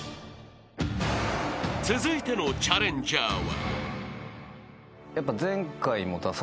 ［続いてのチャレンジャーは］